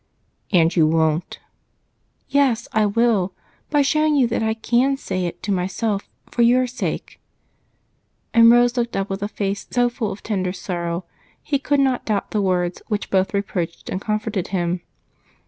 "And you won't." "Yes, I will, by showing you that I can say it to myself, for your sake." And Rose looked up with a face so full of tender sorrow he could not doubt the words which both reproached and comforted him.